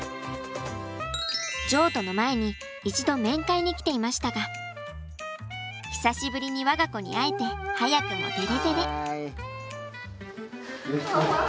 譲渡の前に一度面会に来ていましたが久しぶりに我が子に会えて早くもデレデレ。